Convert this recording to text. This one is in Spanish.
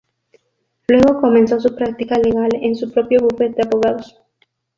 Luego comenzó su práctica legal en su propio bufete de abogados.